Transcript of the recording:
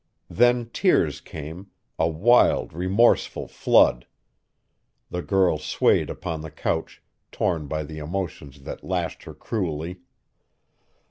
Then tears came, a wild, remorseful flood. The girl swayed upon the couch, torn by the emotions that lashed her cruelly.